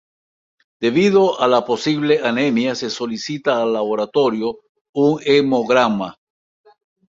Debido a la posible anemia se solicita al laboratorio un hemograma.